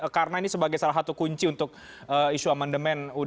karena ini sebagai salah satu kunci untuk isu amandemen ud seribu sembilan ratus empat puluh lima